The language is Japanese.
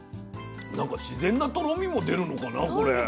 なんか自然なとろみも出るのかなこれ。